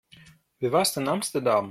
Wie war's in Amsterdam?